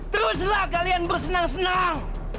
teruslah kalian bersenang senang